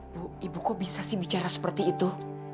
bu ibu kok bisa sih bicara seperti itu